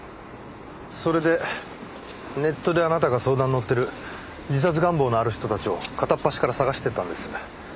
それでネットであなたが相談に乗ってる自殺願望のある人たちを片っ端から探していったんです。